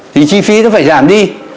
thì chi phí nó phải giảm đi